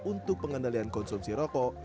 untuk pengendalian konsumsi rokok